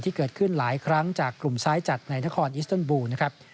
ที่เกิดขึ้นหลายครั้งจากกลุ่มซ้ายจัดในนครอิสเติลบูลนะครับ